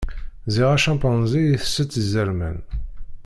Ziɣ acampanzi itett izerman.